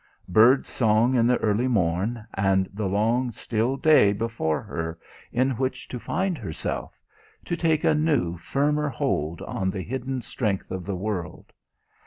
Bird's song in the early morn and the long, still day before her in which to find herself to take a new, firmer hold on the hidden strength of the world.